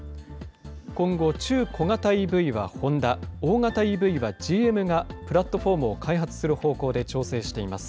今後、中小型ＥＶはホンダ、大型ＥＶはＧＭがプラットフォームを開発する方向で調整しています。